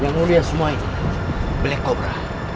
yang mulia semua ini black cobra